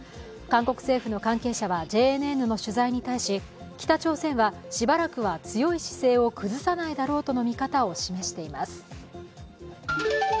韓国政府の関係者はＪＮＮの取材に対し、北朝鮮はしばらくは強い姿勢を崩さないだろうとの見方を示しています。